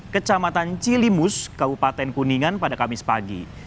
kecamatan cilimus kabupaten kuningan pada kamis pagi